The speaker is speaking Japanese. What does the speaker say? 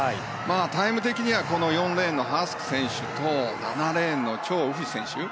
タイム的には４レーンのハスク選手と７レーンのチョウ・ウヒ選手